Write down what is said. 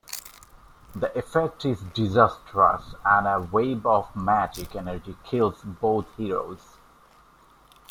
The effect is disastrous and a wave of magic energy kills both heroes.